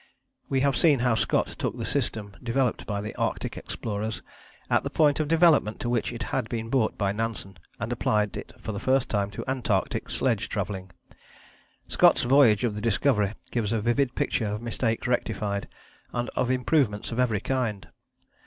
We have seen how Scott took the system developed by the Arctic Explorers at the point of development to which it had been brought by Nansen, and applied it for the first time to Antarctic sledge travelling. Scott's Voyage of the Discovery gives a vivid picture of mistakes rectified, and of improvements of every kind.